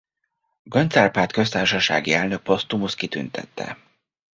Göncz Árpád köztársasági elnök posztumusz kitüntette.